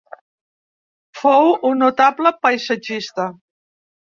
Fou un notable paisatgista.